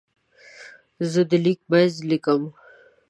زه د لیک منځ لیکم.